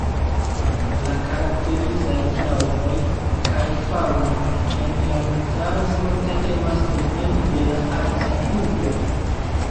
La karakterizaj flaŭro kaj faŭno en la montaro forte emas dependi de la altitudo.